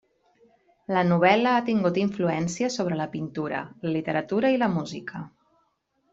La novel·la ha tingut influència sobre la pintura, la literatura i la música.